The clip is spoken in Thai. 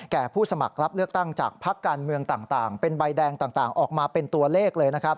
ผู้สมัครรับเลือกตั้งจากพักการเมืองต่างเป็นใบแดงต่างออกมาเป็นตัวเลขเลยนะครับ